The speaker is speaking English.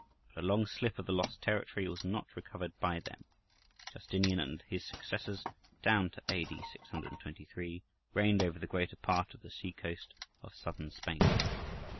But a long slip of the lost territory was not recovered by them. Justinian and his successors, down to A.D. 623, reigned over the greater part of the sea coast of Southern Spain.